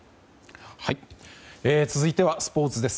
続いてはスポーツです。